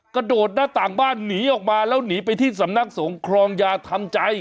กระโดดหน้าต่างบ้านหนีออกมาแล้วหนีไปที่สำนักสงครองยาทำใจ